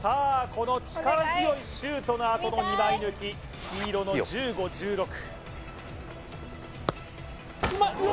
この力強いシュートのあとの２枚抜き黄色の１５１６いいよ